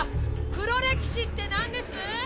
黒歴史って何です？